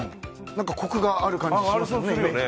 コクがある感じがしますよね。